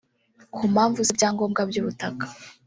ku mpamvu z’ ibyangombwa by’ ubutaka